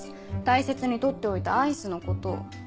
大切に取っておいたアイスのことを。